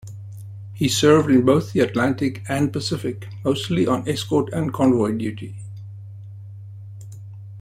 He served in both the Atlantic and Pacific, mostly on escort and convoy duty.